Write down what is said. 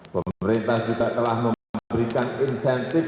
pemerintah juga telah memberikan insentif